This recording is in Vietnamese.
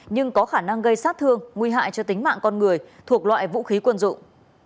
nhưng có khả năng gây sát thương nguy hại cho tính mạng con người thuộc loại vũ khí quân dụng